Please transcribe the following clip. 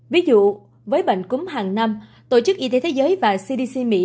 ví dụ với bệnh cúm hàng năm tổ chức y tế thế giới và cdc mỹ